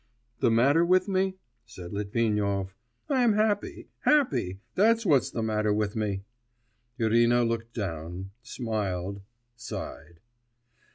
'The matter with me?' said Litvinov. 'I am happy, happy, that's what's the matter with me.' Irina looked down, smiled, sighed.